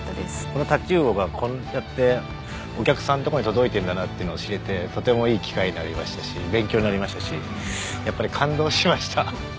この太刀魚がこうやってお客さんの所に届いてるんだなっていうのを知れてとてもいい機会になりましたし勉強になりましたしやっぱり感動しました。